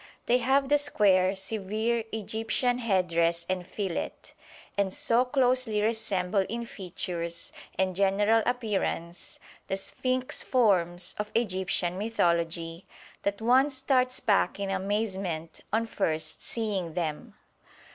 They have the square, severe Egyptian headdress and fillet, and so closely resemble in features and general appearance the Sphinx forms of Egyptian mythology that one starts back in amazement on first seeing them.